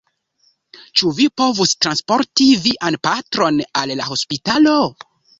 Ĉu vi povus transporti vian patron al la hospitalo?